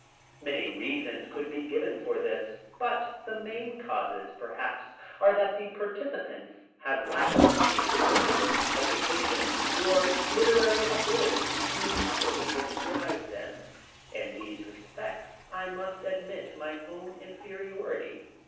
Many reasons could be given for this, but the main causes perhaps, are that the participants have lacked the intelligence, education or literary ability to properly describe them. In these respects I must admit my own inferiority.